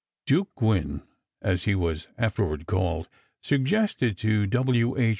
Duke Gwinn, as he was afterward called, suggested to W. H.